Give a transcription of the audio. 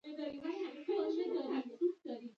پښتانه نورو ژبو ته مخه کوي او خپله ژبه هېروي.